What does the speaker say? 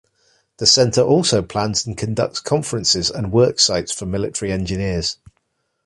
The Centre also plans and conducts conferences and worksites for military engineers.